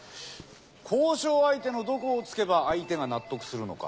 交渉相手のどこをつけば相手が納得するのか？